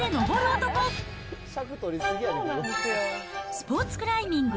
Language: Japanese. スポーツクライミング。